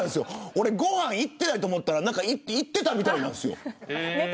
俺ご飯行ってないと思ったら行っていたみたいなんです。